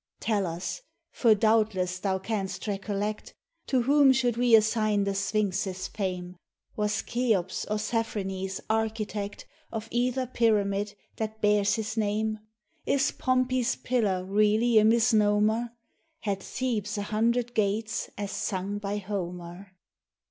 Tell us — for doubtless thou canst recollect — To whom should we assign the Sphinx's fame ? Was Cheops or Cephrenes architect Of either pyramid that bears his name ? Is Pompey's Pillar really a misnomer ? Had Thebes a hundred gates, as sung by Homer